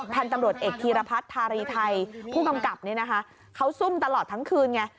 พันธุ์ตำรวจเอกธีรพัฒน์ธารีไทยผู้กำกับนี่นะคะเขาซุ่มตลอดทั้งคืนไง